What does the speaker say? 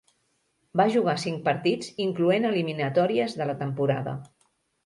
Va jugar cinc partits incloent eliminatòries de la temporada.